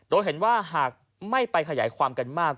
โดยเห็นว่าหากไม่ไปขยายความกันมาก